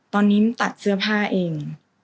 ตอนนี้ตัดเสื้อผ้าเอง